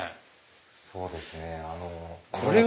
そうですね。